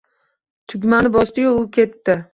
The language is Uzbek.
Tugmani bosdiyu u ketdi.